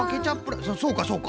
そうかそうか。